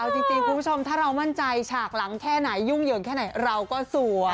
เอาจริงคุณผู้ชมถ้าเรามั่นใจฉากหลังแค่ไหนยุ่งเหยิงแค่ไหนเราก็สวย